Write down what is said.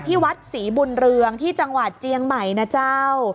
ที่วัดศรีบุญเรืองที่จังหวัดเจียงใหม่นะเจ้า